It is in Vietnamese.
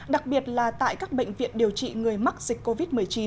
đặc biệt là tại các bệnh viện điều trị người mắc dịch covid một mươi chín